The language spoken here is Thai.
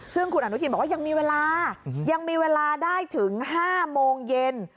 ซึ่งคุณอนุทินบอกว่ายังมีเวลายังมีเวลาได้ถึง๕โมงเย็น